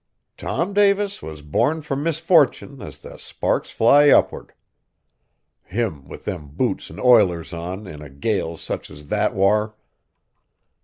Tom Davis was born fur misfortin as the sparks fly up'ard. Him, with them boots an' ilers on, in a gale sich as that war!"